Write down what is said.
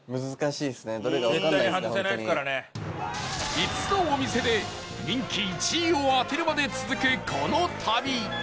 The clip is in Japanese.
５つのお店で人気１位を当てるまで続くこの旅